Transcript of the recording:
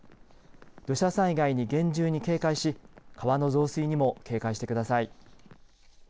土砂災害に厳重に警戒し川の増水にも警戒してください。